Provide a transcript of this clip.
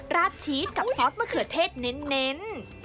ราดชีสกับซอสมะเขือเทศเน้น